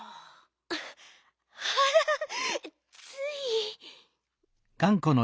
あらつい。